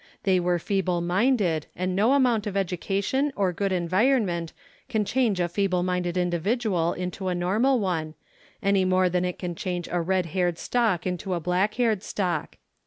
They were feeble minded, and no amount of education or good environment can change a feeble minded individual into a normal one, any more than it can change a red haired stock into a black haired stock.